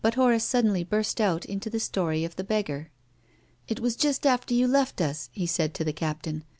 Horace suddenly burst out into the story of the beggar. " It was just after you left us," he said to the Captain.